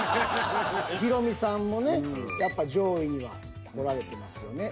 ヒロミさんもねやっぱ上位にはこられてますよね。